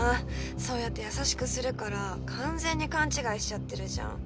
そうやって優しくするから完全に勘違いしちゃってるじゃん。